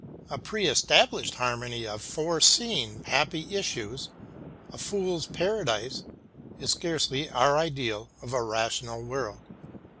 A preestablished harmony of foreseen happy issues — a fool's paradise — is scarcely our ideal of a rational world.